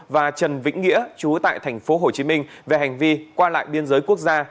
và trần vĩnh nghĩa chú tại tp hcm về hành vi qua lại biên giới quốc gia